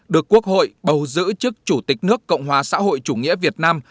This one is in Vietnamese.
được quốc hội bầu giữ chức chủ tịch nước cộng hòa xã hội chủ nghĩa việt nam